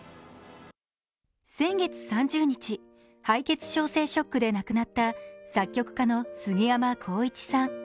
先月３０日、敗血症性ショックで亡くなった作曲家のすぎやまこういちさん。